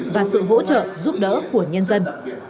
và sự hỗ trợ giúp đỡ của nhân dân